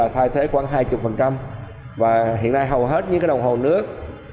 thay thế khoảng hai mươi và hiện nay hầu hết những đồng hồ nước